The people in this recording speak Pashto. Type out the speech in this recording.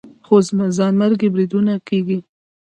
خو ځانمرګي بریدونه کېږي